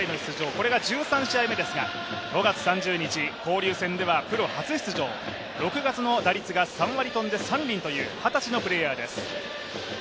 これが１３試合目ですが、５月３０日、交流戦ではプロ初出場、６月の３割３厘という二十歳のプレーヤーです。